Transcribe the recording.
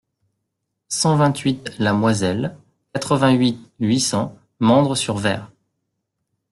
cent vingt-huit la Moiselle, quatre-vingt-huit, huit cents, Mandres-sur-Vair